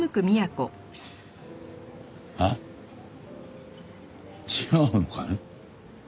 あっ違うのかね？